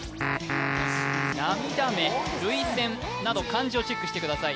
涙目涙腺など漢字をチェックしてください